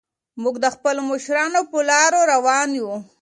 موږ د خپلو مشرانو په لارو روان یو.